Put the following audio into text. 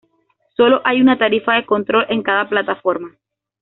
Sólo hay una tarifa de control en cada plataforma.